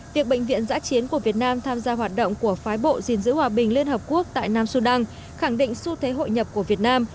việc bệnh viện giã chiến của việt nam tham gia hoạt động của phái bộ gìn giữ hòa bình liên hợp quốc tại nam sudan khẳng định xu thế hội nhập của việt nam